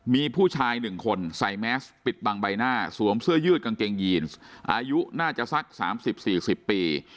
มีผู้ชายหนึ่งคนใส่แม็กซ์ปิดบางใบหน้าสวมเสื้อยืดกางเกงยีนอายุน่าจะสักสามสิบสี่สิบปี